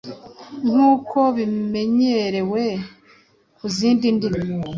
nk’uko bimenyerewe ku zindi ndimi.